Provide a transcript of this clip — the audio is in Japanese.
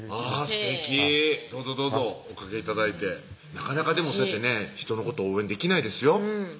すてきどうぞどうぞおかけ頂いてなかなかでもそうやってね人のこと応援できないですよ